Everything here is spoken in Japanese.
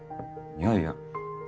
いやいや。